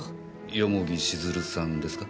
蓬城静流さんですか？